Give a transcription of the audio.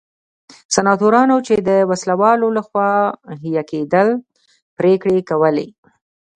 سناتورانو چې د وسله والو لخوا حیه کېدل پرېکړې کولې.